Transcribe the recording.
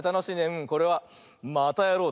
うんこれは「またやろう！」